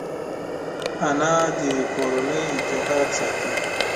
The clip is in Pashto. انا د کورنۍ اتحاد ساتي